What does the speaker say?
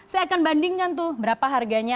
saya akan bandingkan tuh berapa harganya